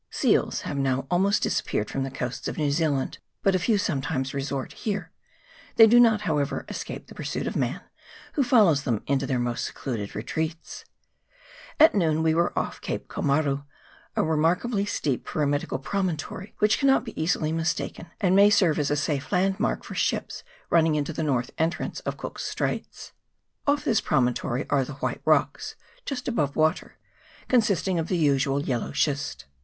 Seals have now almost disappeared from the coasts of New Zealand, but a few sometimes resort here : they do not, how ever, escape the pursuit of man, who follows them into their most secluded retreats. At noon we were CHAP. V.] COAST OF ARAPAOA. off Cape Komaru, a remarkably steep pyra. promontory, which cannot be easily mistaken, and may serve as a safe landmark for ships running into the north entrance of Cook's Straits. Off this pro montory are the White Rocks, just above water, consisting of the usual yellow schist.